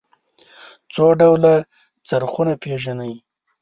څو ډوله څرخونه پيژنئ.